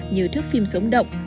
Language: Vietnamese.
như thước phim sống động